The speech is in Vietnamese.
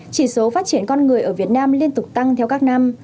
chỉ số phát triển con người ở việt nam liên tục tăng theo các năm